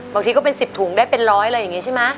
ก็เป็น๑๐ถุงได้เป็นร้อยอะไรอย่างนี้ใช่ไหม